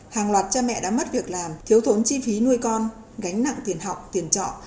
hàng loạt cha mẹ đã mất việc làm thiếu thốn chi phí nuôi con gánh nặng tiền học tiền trọ